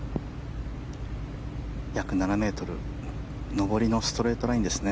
約７ｍ上りのストレートラインですね。